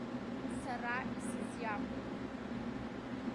Сара исызиаҳәом.